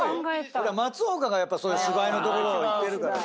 松岡がやっぱそういう芝居のところ行ってるからさ。